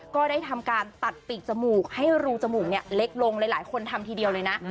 ก็ได้ทำการตัดปีกจมูกให้รูจมูกเล็กลงหลายคนทำทีเดียวเลยนะ